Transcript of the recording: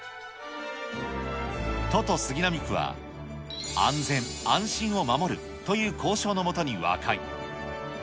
都と杉並区は、安全・安心を守るという交渉のもとに和解。